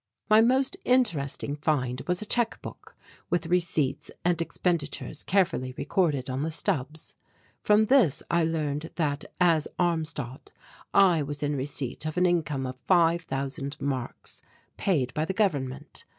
My most interesting find was a checkbook, with receipts and expenditures carefully recorded on the stubs. From this I learned that, as Armstadt, I was in receipt of an income of five thousand marks, paid by the Government.